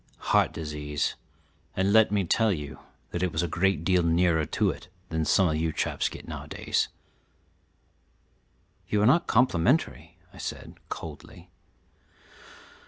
"Heart disease, and let me tell you that was a great deal nearer to it than some of you chaps get nowadays." "You are not complimentary," I said coldly.